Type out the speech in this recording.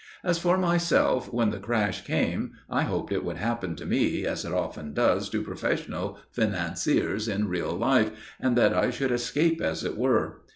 As for myself, when the crash came, I hoped it would happen to me as it often does to professional financiers in real life, and that I should escape, as it were.